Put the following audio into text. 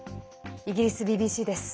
イギリスＢＢＣです。